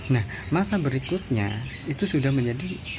nah masa berikutnya itu sudah menjadi